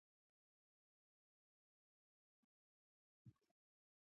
ناسته اوږده شوه.